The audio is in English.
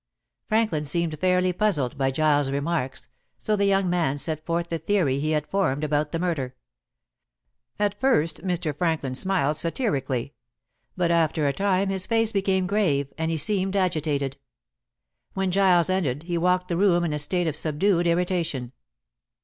Franklin seemed fairly puzzled by Giles' remarks, so the young man set forth the theory he had formed about the murder. At first Mr. Franklin smiled satirically; but after a time his face became grave, and he seemed agitated. When Giles ended he walked the room in a state of subdued irritation.